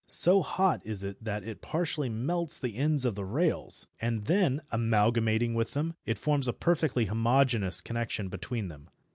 So hot is it that it partially melts the ends of the rails, and then, amalgamating with them, it forms a perfectly homogeneous connection between them.